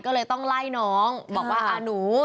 ก็เลยต้องไล่น้องบอกว่าอ่าหนู